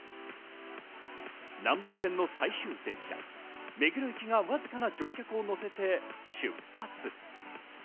南北線の最終電車・目黒行きがわずかな乗客を乗せて出発。